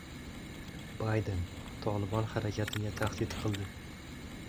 Bayden «Tolibon» harakatiga tahdid qildi